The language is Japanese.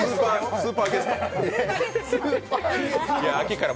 スーパーゲスト。